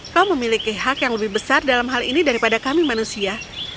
kau memiliki hak yang lebih besar dalam hal ini daripada kami manusia